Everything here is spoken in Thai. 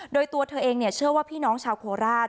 โดยตัวเธอเองเชื่อว่าพี่น้องชาวโคราช